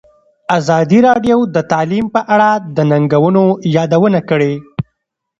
ازادي راډیو د تعلیم په اړه د ننګونو یادونه کړې.